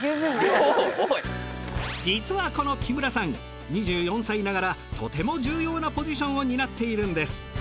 実はこの木村さん２４歳ながらとても重要なポジションを担っているんです。